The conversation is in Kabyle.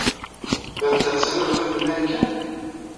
Batta d tamelɣiɣt n Marikan?